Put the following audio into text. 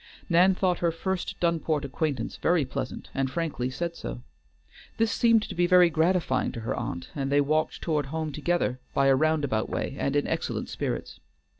Nan thought her first Dunport acquaintance very pleasant, and frankly said so. This seemed to be very gratifying to her aunt, and they walked toward home together by a roundabout way and in excellent spirits.